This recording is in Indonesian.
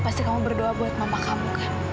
pasti kamu berdoa buat mama kamu